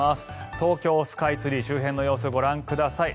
東京スカイツリー周辺の様子ご覧ください。